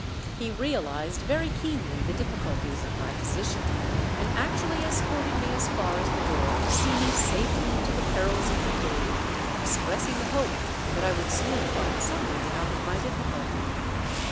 He realized very keenly the difficulties of my position, and actually escorted me as far as the door to see me safely to the perils of the pave, expressing the hope that I would soon find some way out of my difficulty.